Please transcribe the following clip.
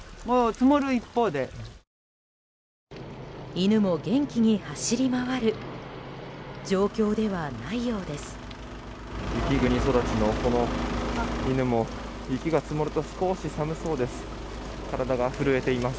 犬も元気に走り回る状況ではないようです。